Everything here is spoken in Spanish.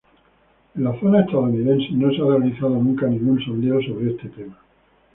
En las zona estadounidenses no se ha realizado nunca ningún sondeo sobre este tema.